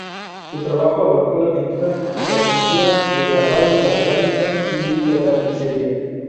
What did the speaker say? Su trabajo abarcó la pintura, la escultura, el grabado, la cerámica y la tapicería.